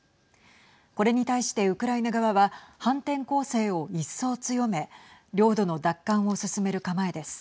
これに対してウクライナ側は反転攻勢を一層、強め領土の奪還を進める構えです。